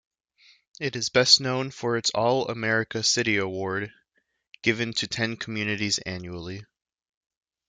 It is best known for its All-America City Award, given to ten communities annually.